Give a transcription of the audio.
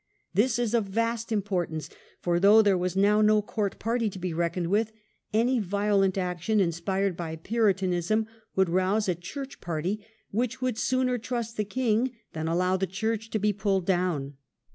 This is of vast importance, for, though there was now no court party to be reckoned with, any violent action inspired by Puritanism would rouse a church party which would sooner trust the king than allow the church to be pulled down.